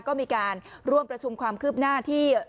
ก็มีการร่วมประชุมความคืบหน้าที่